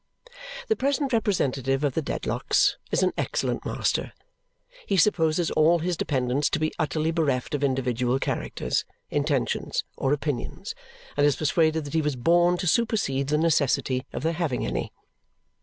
The present representative of the Dedlocks is an excellent master. He supposes all his dependents to be utterly bereft of individual characters, intentions, or opinions, and is persuaded that he was born to supersede the necessity of their having any.